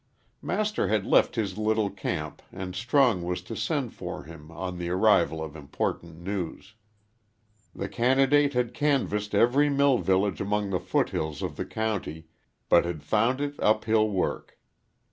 Master had left his little camp and Strong was to send for him on the arrival of important news. The candidate had canvassed every mill village among the foot hills of the county but had found it up hill work.